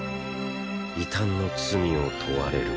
異端の罪を問われるボン。